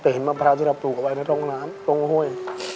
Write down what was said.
แต่เห็นมะพร้าวที่เราปลูกเอาไว้ในร่องน้ำตรงห้วย